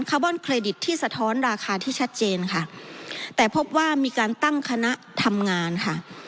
บอนเครดิตที่สะท้อนราคาที่ชัดเจนค่ะแต่พบว่ามีการตั้งคณะทำงานค่ะ